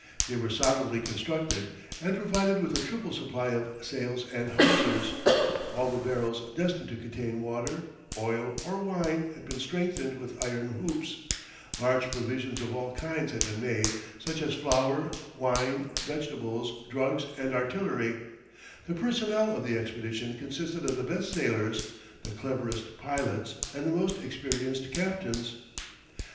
They were solidly constructed, and provided with a triple supply of sails and hawsers; all the barrels destined to contain water, oil, or wine had been strengthened with iron hoops; large provisions of all kinds had been made, such as flour, wine, vegetables, drugs, and artillery; the personnel of the expedition consisted of the best sailors, the cleverest pilots, and the most experienced captains.